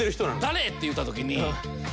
「誰？」って言うた時に。